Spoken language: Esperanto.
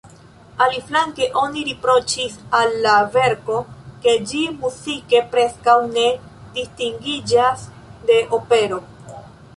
Aliaflanke oni riproĉis al la verko, ke ĝi muzike preskaŭ ne distingiĝas de opero.